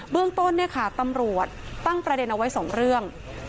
เบื้องต้นเนี่ยค่ะตำรวจตั้งประเด็นเอาไว้๒เรื่อง